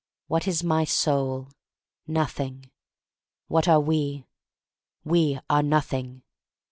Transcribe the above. What is my soul? Nothing. ' What are we? We are nothing.